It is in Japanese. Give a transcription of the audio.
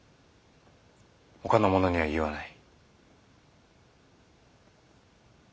ほかの者には言わない。